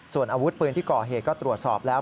ส่วนอาวุธปืนที่ก่อเหตุก็ตรวจสอบแล้ว